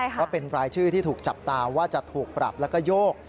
ว่าเป็นรายชื่อที่ถูกจับตาว่าจะถูกปรับแล้วก็โยก